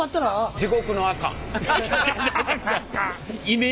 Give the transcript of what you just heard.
地獄の赤。